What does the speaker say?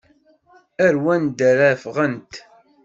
Ar wanda ara ffɣent?